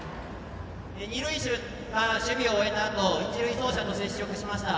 二塁手が守備を終えたあと一塁走者と接触しました。